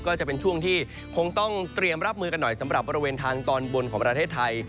ก็จะเป็นช่วงที่คงต้องเตรียมรับมือกันหน่อยสำหรับบริเวณทางตอนบนของประเทศไทย